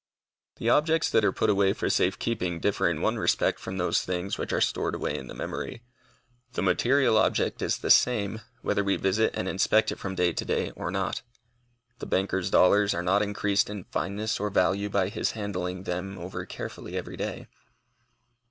The objects that are put away for safe keeping differ in one respect from those things which are stored away in the memory. The material object is the same, whether we visit and inspect it from day to day or not. The banker's dollars are not increased in fineness or value by his handling them over carefully every day.